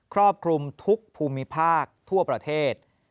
ครอบคลุมทุกภูมิภาคทั่วประเทศ